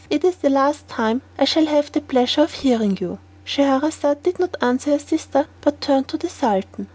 It is the last time that I shall have the pleasure of hearing you." Scheherazade did not answer her sister, but turned to the Sultan.